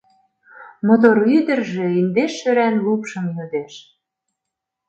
Мотор ӱдыржӧ индеш шӧран лупшым йодеш.